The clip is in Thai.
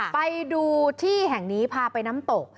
ไปดูที่แห่งนี้พาไปน้ำตก